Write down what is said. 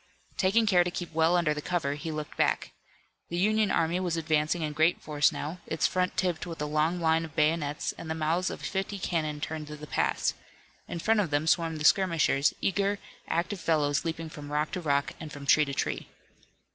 Taking care to keep well under cover he looked back. The Union army was advancing in great force now, its front tipped with a long line of bayonets and the mouths of fifty cannon turned to the pass. In front of them swarmed the skirmishers, eager, active fellows leaping from rock to rock and from tree to tree.